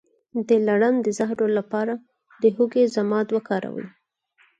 د لړم د زهر لپاره د هوږې ضماد وکاروئ